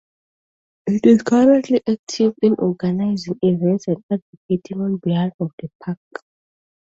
It is currently active in organizing events and advocating on behalf of the Park.